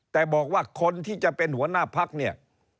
แต่บอกว่าคนที่จะเป็นหัวหน้าพักเนี่ย